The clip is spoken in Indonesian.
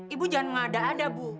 ibu jangan mengada ada bu